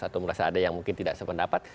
atau merasa ada yang mungkin tidak sependapat